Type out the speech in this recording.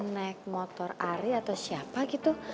naik motor ari atau siapa gitu